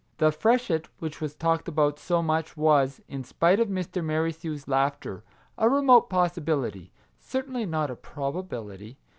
The freshet which was talked about so much was, in spite of Mr. Merrithew's laughter, a remote possi bility ; certainly not a probability.